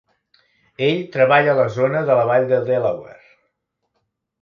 Ell treballa a la zona de la vall de Delaware.